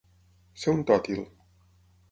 Ser un tòtil.